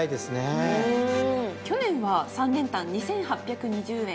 去年は３連単２，８２０円。